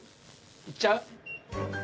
いっちゃう？